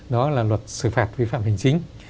đó là luật xử phạt vi phạm hình chính